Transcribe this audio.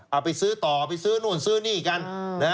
เอาไปซื้อต่อไปซื้อนู่นซื้อนี่กัน